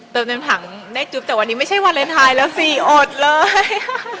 เติมเต็มถังได้จุ๊บแต่วันนี้ไม่ใช่วาเลนไทยแล้วสิอดเลย